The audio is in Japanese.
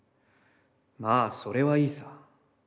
まあ、それはいいさ。